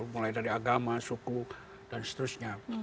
mulai dari agama suku dan seterusnya